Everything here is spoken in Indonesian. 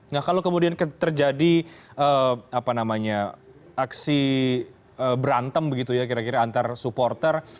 nah kalau kemudian terjadi aksi berantem antar supporter